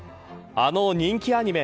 あの人気アニメ